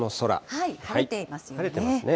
晴れていますね。